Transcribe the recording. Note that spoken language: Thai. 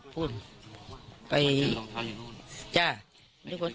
มันเจอรองเท้าอยู่นู้น